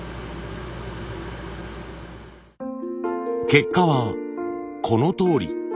結果はこのとおり。